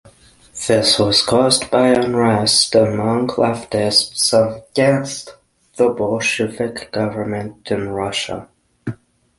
This was caused by unrest among leftists against the Bolshevik government in Russia.